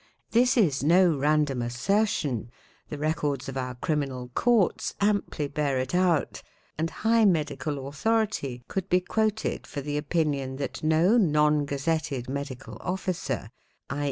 This is no random assertion ; the records of our Criminal Courts amply bear it out, and high medical authority could be quoted for the opinion that no non gazetted medical officer, 2.